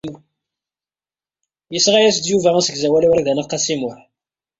Yesɣa-as-d Yuba asegzawal i Wrida n At Qasi Muḥ.